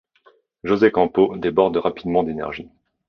José Campo déborde rapidement d'énergie.